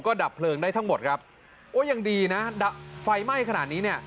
ก็ดับเพลิงได้ทั้งหมดโอ้ยยังดีนะไฟไหม้ขนาดนี้